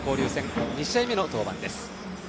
２試合目の登板です。